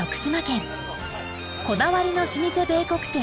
こだわりの老舗米穀店！